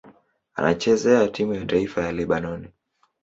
Anachezea timu ya taifa ya Lebanoni.